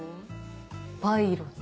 パイロット。